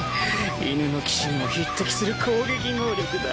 犬の騎士にも匹敵する攻撃能力だ。